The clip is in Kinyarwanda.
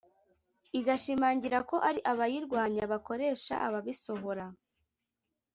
igashimangira ko ari abayirwanya bakoresha ababisohora